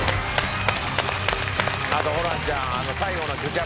あとホランちゃん。